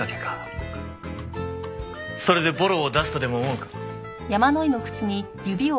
それでボロを出すとでも思うか？